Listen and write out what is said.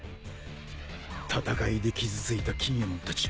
戦いで傷ついた錦えもんたち。